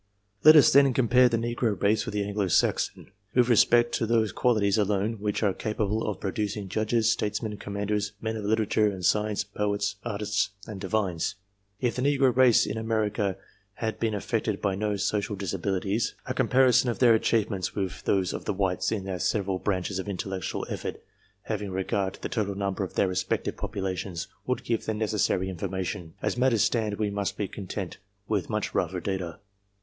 iTLet us, then, compare the Negro race with the Anglo Saxon, with respect to those qualities alone which are capable of producing judges, statesmen, commanders, men of literature and science, poets, artists, and divines. If the negro race in America Imd been affected by no social disabilities, a comparison of their achievements with those OF DIFFERENT RACES 327 of the whites in their several branches of intellectual effort, having regard to the total number of their respective popu lations, would give the necessary information. As matters stand, we must be content with much rougher data.